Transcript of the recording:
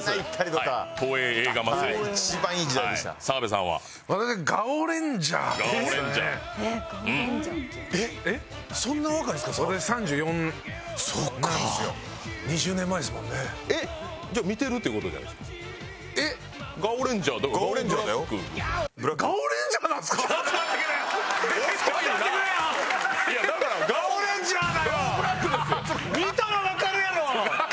見たらわかるやろ！